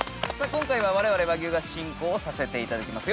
今回は、我々、和牛が進行をさせていただきます。